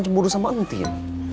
cemburu sama nanti ya